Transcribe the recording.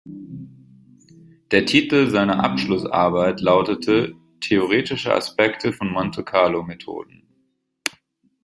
Der Titel seiner Abschlussarbeit lautete "Theoretische Aspekte von Monte-Carlo-Methoden".